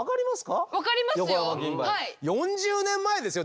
４０年前ですよ。